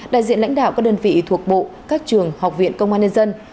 đại diện lãnh đạo các đơn vị thuộc bộ các trường học viện công an nhân dân